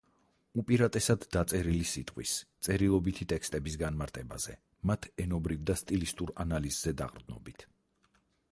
უპირატესად დაწერილი სიტყვის, წერილობითი ტექსტების განმარტებაზე, მათ ენობრივ და სტილისტურ ანალიზზე დაყრდნობით.